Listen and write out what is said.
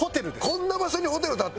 こんな場所にホテル立ってるの？